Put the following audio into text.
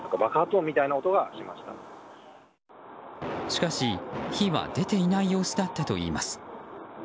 しかし、火は出ていない様子だったといいます。